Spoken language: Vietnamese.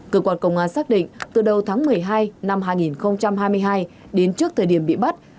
cơ quan công an xác định từ đầu tháng một mươi hai năm hai nghìn hai mươi hai đến trước thời điểm bị bắt